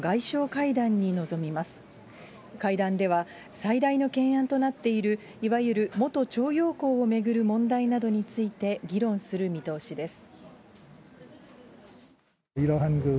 会談では、最大の懸案となっているいわゆる元徴用工を巡る問題などについて議論する見通しです。